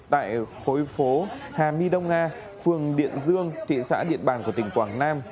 tại khối phố hà my đông nga phường điện dương thị xã điện bàn của tỉnh quảng nam